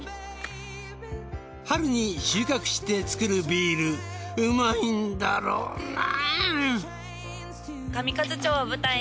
春に収穫して造るビールうまいんだろうな。